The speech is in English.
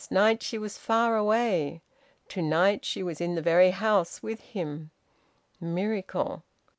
Last night she was far away. To night she was in the very house with him. Miracle!